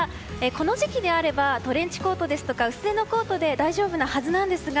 この時期であればトレンチコートですとか薄手のコートで大丈夫なはずなんですが。